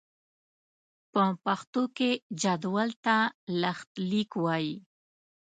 په پښتو کې جدول ته لښتليک وايي.